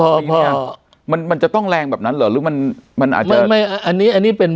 แล้วเนี่ยมันจะต้องแรงแบบนั้นหรือ